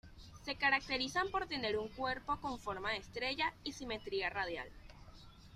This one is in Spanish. Se caracterizan por tener un cuerpo con forma de estrella y simetría radial.